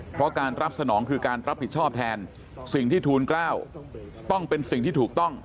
เพราะการรับสนองคือการรับผิดชอบแทนสิ่งที่ทูลกล้าวต้องเป็นสิ่งที่ถูกต้อง